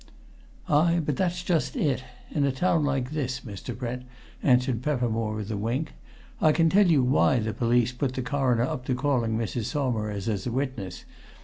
"Ay, but that's just it, in a town like this, Mr. Brent," answered Peppermore with a wink. "I can tell you why the police put the Coroner up to calling Mrs. Saumarez as a witness.